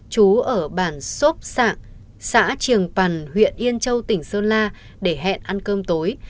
chú ở bản sốp sạng xã triềng pần huyện yên châu tỉnh sơn la để hẹn ăn cơm tối